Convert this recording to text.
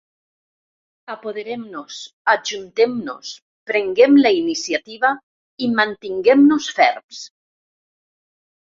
Apoderem-nos, ajuntem-nos, prenguem la iniciativa i mantinguem-nos ferms.